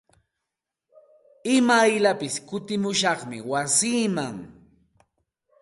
Imayllapis kutimushaqmi wasiiman.